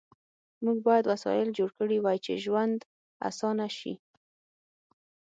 موږ باید وسایل جوړ کړي وای چې ژوند آسانه شي